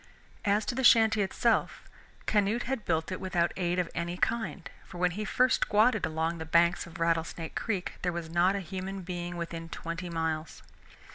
As to the shanty itself, Canute had built it without aid of any kind, for when he first squatted along the banks of Rattlesnake Creek there was not a human being within twenty miles.